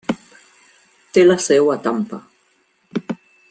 Té la seu a Tampa.